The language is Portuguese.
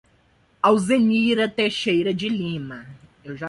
Alzenira Teixeira de Lima